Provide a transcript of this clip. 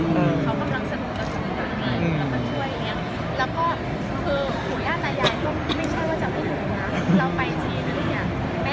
มีโครงการทุกทีใช่ไหม